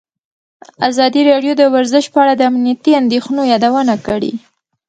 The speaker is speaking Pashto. ازادي راډیو د ورزش په اړه د امنیتي اندېښنو یادونه کړې.